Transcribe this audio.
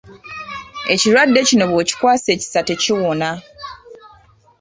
Ekirwadde kino bw'okikwasa ekisa tekiwona.